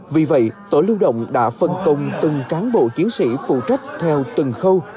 vì vậy tổ lưu động đã phân công từng cán bộ chiến sĩ phụ trách theo từng khâu